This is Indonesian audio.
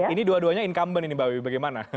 ini dua duanya incumbent ini mbak wiwi bagaimana